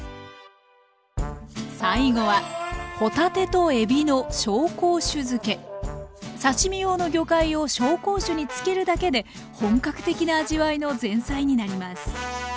最後は刺身用の魚介を紹興酒に漬けるだけで本格的な味わいの前菜になります。